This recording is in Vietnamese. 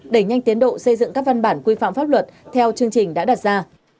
đẩy nhanh tiến độ xây dựng các văn bản quy phạm pháp luật theo chương trình đã đặt ra